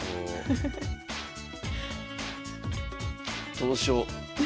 どうしよ。